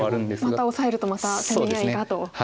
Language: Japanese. またオサえるとまた攻め合いがと。